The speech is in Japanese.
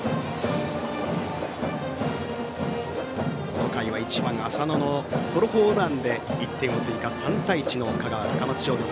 この回は１番、浅野のソロホームランで１点を追加、３対１の香川・高松商業。